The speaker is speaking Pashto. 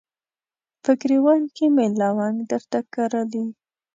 په ګریوان کې مې لونګ درته کرلي